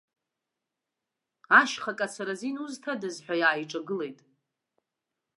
Ашьха акацара азин узҭадаз ҳәа иааиҿагылеит.